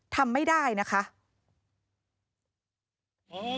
ทำไม่ได้นะคะ